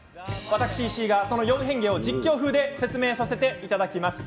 私、石井が、その４変化を実況風で説明させていただきます。